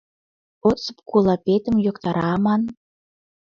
Осып кулапетым йоктара аман?